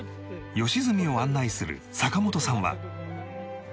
良純を案内する坂本さんは